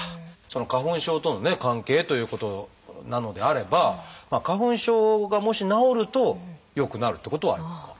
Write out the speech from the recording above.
その花粉症とのね関係ということなのであれば花粉症がもし治ると良くなるってことはありますか？